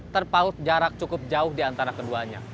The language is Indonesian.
terpaut jarak cukup jauh di antara keduanya